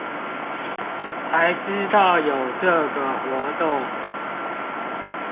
才知道有這個活動